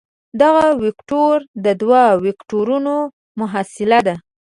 دغه وکتور د دوو وکتورونو محصله ده.